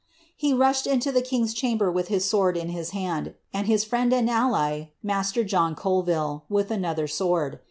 He rushed into the king's chamber with his sword in his hand, and his friend and ally, master John Colville, with another sword.